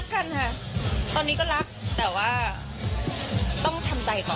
ดาราก็มีหัวใจค่ะ